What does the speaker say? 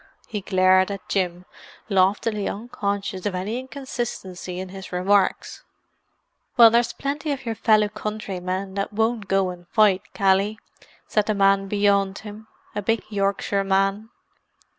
He glared at Jim, loftily unconscious of any inconsistency in his remarks. "Well, there's plenty of your fellow countrymen that won't go and fight, Cally!" said the man beyond him—a big Yorkshireman.